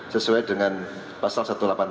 sesuai dengan pasal satu ratus delapan puluh sembilan